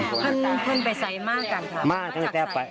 ก็เป็นไปใสมากกันครับ